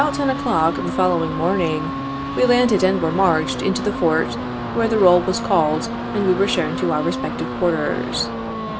About 10 o'clock the following morning we landed, and were marched into the Fort, where the roll was called, and we were shown to our respective quarters.